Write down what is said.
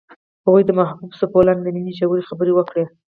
هغوی د محبوب څپو لاندې د مینې ژورې خبرې وکړې.